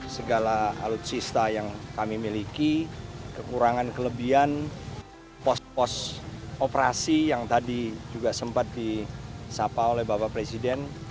segala alutsista yang kami miliki kekurangan kelebihan pos pos operasi yang tadi juga sempat disapa oleh bapak presiden